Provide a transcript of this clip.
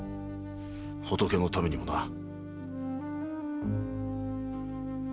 仏のためにもな。